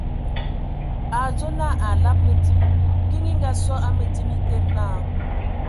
A a adzo naa a alab məndim, kiŋ e Ngaasɔ a mǝndim a etede naa :